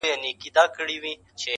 ته چي را سره یې له انار سره مي نه لګي،